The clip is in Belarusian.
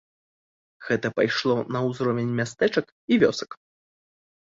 Гэта пайшло на ўзровень мястэчак і вёсак.